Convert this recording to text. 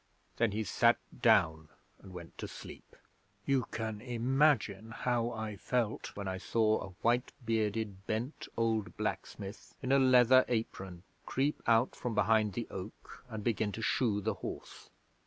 Then he sat down and went to sleep. You can imagine how I felt when I saw a white bearded, bent old blacksmith in a leather apron creep out from behind the oak and begin to shoe the horse.